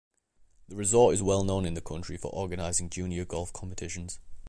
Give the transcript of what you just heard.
The resort is well known in the country for organising Junior Golf competitions.